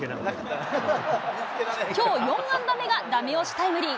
きょう４安打目がだめ押しタイムリー。